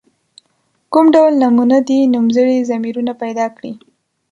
کوم ډول نومونه دي نومځري ضمیرونه پیداکړي.